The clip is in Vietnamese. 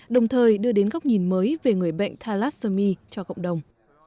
đồng thời đưa đến góc nhìn mới về người bệnh tha lát sơ mi cho cộng đồng